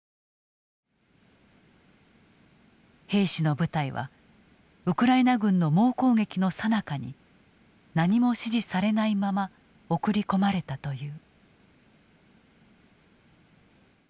兵士の部隊はウクライナ軍の猛攻撃のさなかに何も指示されないまま送り込まれたという。